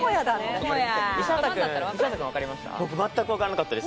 僕、全くわからなかったです。